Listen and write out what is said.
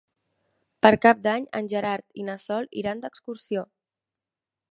Per Cap d'Any en Gerard i na Sol iran d'excursió.